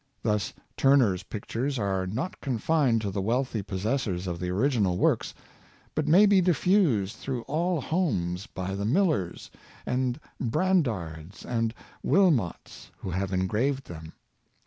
Thus Turner^s pictures are not confined to the wealthy possessors of the original works, but may be diffused through all homes by the Millers, and Brandards, and Wilmotts, who have engraved them.